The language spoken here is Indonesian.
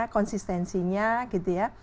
konsistensinya gitu ya